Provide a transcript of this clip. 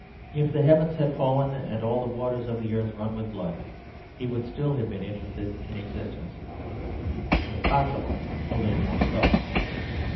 If the heavens had fallen, and all the waters of the earth run with blood, he would still have been interested in existence, if possible a little more so.